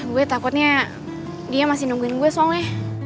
gue takutnya dia masih nungguin gue soalnya